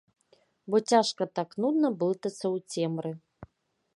Бо цяжка так, нудна блытацца ў цемры.